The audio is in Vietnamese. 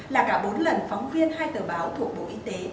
là cả bốn lần phóng viên hai tờ báo thuộc bộ y tế